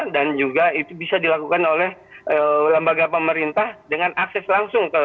dan juga itu bisa dilakukan oleh lembaga pemerintah dengan akses langsung